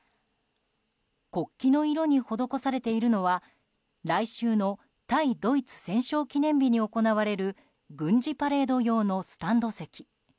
国旗の色に施されているのは来週の対ドイツ戦勝記念日に行われる軍事パレード用のスタンド席。